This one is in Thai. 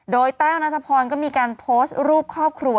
โดยแต้วนัทพรก็มีการโพสต์รูปครอบครัว